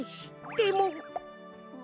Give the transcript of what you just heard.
でも？